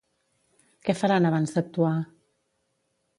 Què faran abans d'actuar?